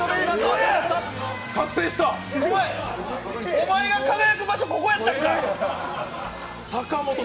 お前が輝く場所、ここやったんか。